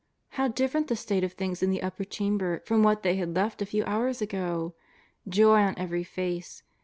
How different the state of things in the Upper Chamber from what they had left a few hours ago ! Joy on every face.